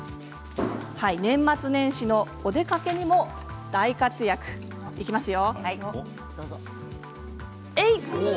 年末年始のお出かけにも大活躍いきますよ。